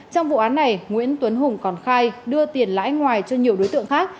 trong vụ án này nguyễn tuấn hùng còn khai đưa tiền lãi ngoài cho nhiều đối tượng khác